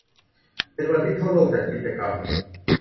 เป็นวันที่ทั่วโลกจัดกิจกรรม